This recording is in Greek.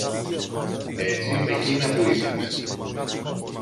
Έτσι, μ' εκείνα που είπε.